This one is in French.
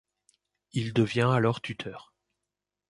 Il devient alors tuteur.